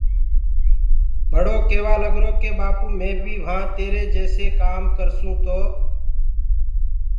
ٻڙو ڪيوآ لگرو ڪي ٻآپو مي بيٚ وهآنٚ تيري جيسي ڪآم ڪرسونٚ تو